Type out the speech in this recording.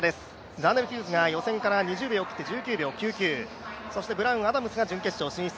ザーネル・ヒューズが予選から２０病気って１９秒９９、そして南アフリカのアダムスが準決勝進出。